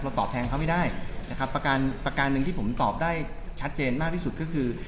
ตอบแทนเขาไม่ได้นะครับประการประการหนึ่งที่ผมตอบได้ชัดเจนมากที่สุดก็คือ